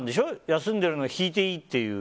休んでるのを引いていいっていう。